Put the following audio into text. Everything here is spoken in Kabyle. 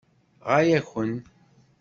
Ɣaya-ken!